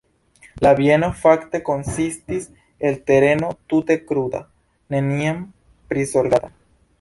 La bieno fakte konsistis el tereno tute kruda, neniam prizorgata.